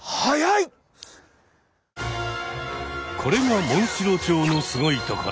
これがモンシロチョウのすごいところ。